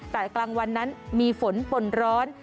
แต่กลางวันนั้นมีฝนป่นร้อน